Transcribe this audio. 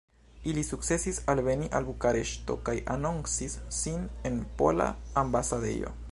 Ili sukcesis alveni al Bukareŝto kaj anoncis sin en Pola Ambasadejo.